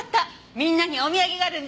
みんなにお土産があるんです。